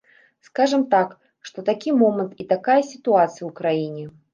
Скажам так, што такі момант і такая сітуацыя ў краіне.